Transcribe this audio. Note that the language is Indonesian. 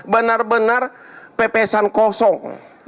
benar benar pepesan kosong